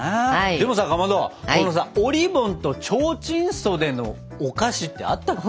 でもさかまどこのさおりぼんとちょうちん袖のお菓子ってあったっけ？